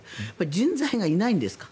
人材がいないんですか？